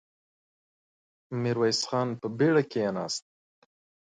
ميرويس خان په بېړه کېناست.